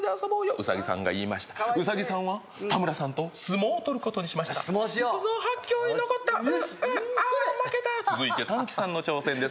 ウサギさんが言いましたウサギさんは田村さんと相撲を取ることにしました相撲しようはっけよいのこったああ負けた続いてタヌキさんの挑戦です